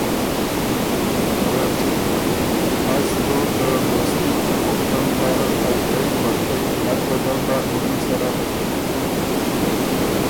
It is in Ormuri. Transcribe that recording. رټ: از تُو ته دوستي ته پُختن پاره ائ خوئ پټکئ نک بدل داک بُکِن سره؟